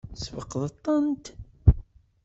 Tesfeqdeḍ-tent?